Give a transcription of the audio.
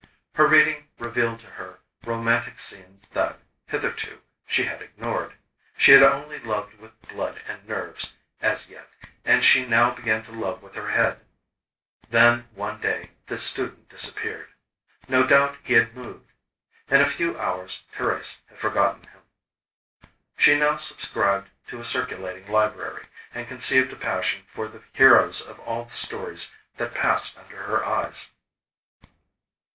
Her reading revealed to her romantic scenes that, hitherto, she had ignored. She had only loved with blood and nerves, as yet, and she now began to love with her head. Then, one day, the student disappeared. No doubt he had moved. In a few hours Thérèse had forgotten him. She now subscribed to a circulating library, and conceived a passion for the heroes of all the stories that passed under her eyes.